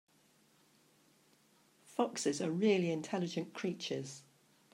Foxes are really intelligent creatures.